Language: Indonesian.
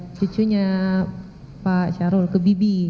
sampaikan ke cicunya pak syarul ke bibi